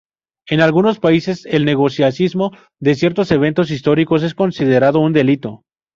En algunos países, el negacionismo de ciertos eventos históricos es considerado un delito.